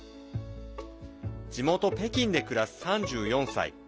地元・北京で暮らす３４歳。